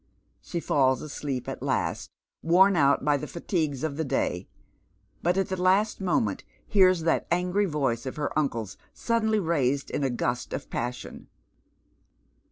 She falls asleep at last, worn out by the fatigues of the day, but at the last moment hoars that augiy voice of her uncle's Bud • denly raised in a gust of passion.